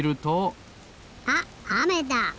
あっあめだ！